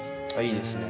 いいですね。